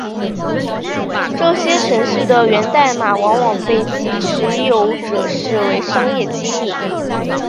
这些程序的源代码往往被其持有者视为商业机密。